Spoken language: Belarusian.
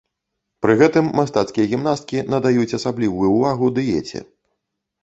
Пры гэтым мастацкія гімнасткі надаюць асаблівую ўвагу дыеце.